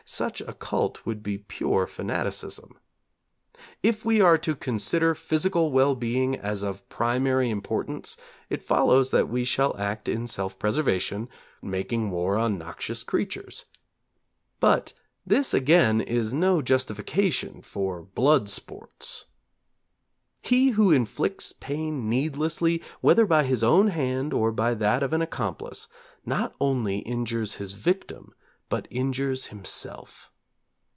Such a cult would be pure fanaticism. If we are to consider physical well being as of primary importance, it follows that we shall act in self preservation 'making war on noxious creatures.' But this again is no justification for 'blood sports.' He who inflicts pain needlessly, whether by his own hand or by that of an accomplice, not only injures his victim, but injures himself.